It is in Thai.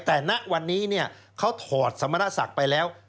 แต่ณวันนี้เขาถอดสมณศักดิ์ไปแล้ว